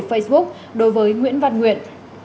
facebook đối với nguyễn văn nguyễn